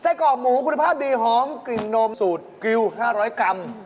กรอบหมูคุณภาพดีหอมกลิ่นโนมสูตรกิว๕๐๐กรัม